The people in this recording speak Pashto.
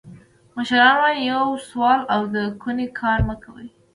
مشران وایي: یو سوال او د کونې کار مه کوه.